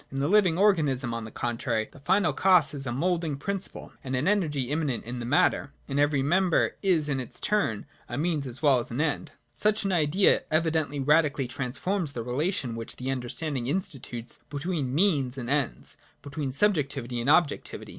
In the living organism, on the contrary, the final cause is a mould ing principle and an energy immanent in the matter, VOL. II. I 114 SECOND ATTITUDE TO OBJECTIVITY. [57 60. and every member is in its turn a means as well as an end. 58.] Such an Idea evidently radically transforms the relation which the understanding institutes between means and ends, between subjectivity and objectivity.